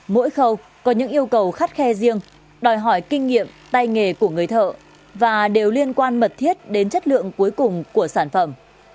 mỗi khâu có những yêu cầu khắt khe riêng đòi hỏi kinh nghiệm tay nghề của người thợ và đều liên quan mật thiết đến chất lượng cuối cùng của sản phẩm